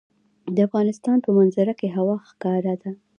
د افغانستان په منظره کې هوا ښکاره ده.